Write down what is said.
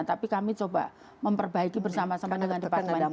tapi kami coba memperbaiki bersama sama dengan departemen